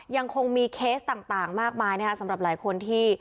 ยังคงมีเคสต่างมากมายนะครับสำหรับหลายคนที่